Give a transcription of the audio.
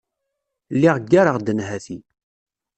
Lliɣ ggareɣ-d nnhati.